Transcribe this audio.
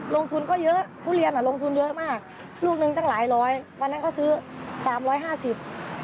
ลงทุนก็เยอะทุเรียนอ่ะลงทุนเยอะมากลูกหนึ่งตั้งหลายร้อยวันนั้นเขาซื้อสามร้อยห้าสิบ